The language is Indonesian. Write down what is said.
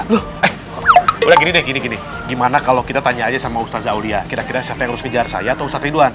loh udah gini deh gini gini gimana kalau kita tanya aja sama ustaza aulia kira kira siapa yang harus kejar saya atau ustadz ridwan